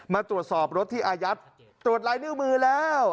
มาตรวจสอบรถที่อายัดตรวจลายนิ้วมือแล้ว